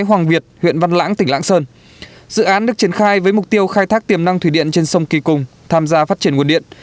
hoàng việt huyện văn lãng tỉnh lãng sơn dự án được triển khai với mục tiêu khai thác tiềm năng thủy điện trên sông kỳ cùng tham gia phát triển nguồn điện